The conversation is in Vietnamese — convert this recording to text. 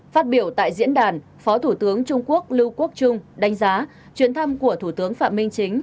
phát biểu tại diễn đàn phó thủ tướng trung quốc lưu quốc trung đánh giá chuyến thăm của thủ tướng phạm minh chính